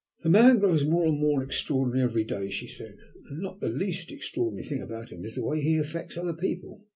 "The man grows more and more extraordinary every day," she said. "And not the least extraordinary thing about him is the way he affects other people.